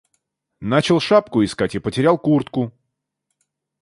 Начал шапку искать и потерял куртку.